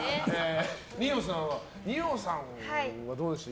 二葉さんはどうでした？